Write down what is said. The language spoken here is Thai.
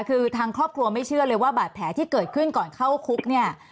คือทางครอบครัวไม่เชื่อเลยว่าบาดแผลที่เกิดขึ้นก่อนเข้าคุกเนี่ย